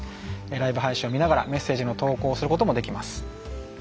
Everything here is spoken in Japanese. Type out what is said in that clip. ライブ配信を見ながらメッセージの投稿をすることもできます。